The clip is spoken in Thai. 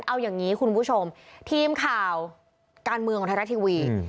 เอาอย่างนี้คุณผู้ชมทีมข่าวการเมืองของไทยรัฐทีวี